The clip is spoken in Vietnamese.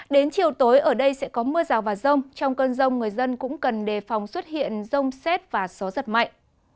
đến chiều tối ở đây sẽ có mưa rào và rông trong cơn rông người dân cũng cần đề phòng xuất hiện rông xét và gió giật mạnh